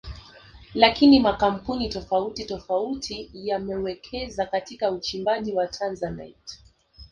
Lakini makampuni tofauti tofauti yamewekeza katika uchimbaji wa Tanzanite